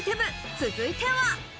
続いては。